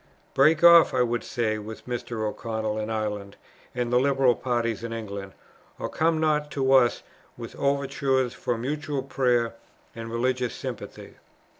Break off, I would say, with Mr. O'Connell in Ireland and the liberal party in England, or come not to us with overtures for mutual prayer and religious sympathy."